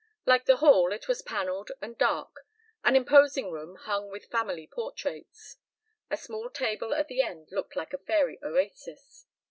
Like the hall it was panelled and dark, an imposing room hung with family portraits. A small table at the end looked like a fairy oasis.